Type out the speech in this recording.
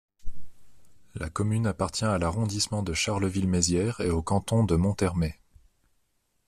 La commune appartient à l'arrondissement de Charleville-Mézières et au canton de Monthermé.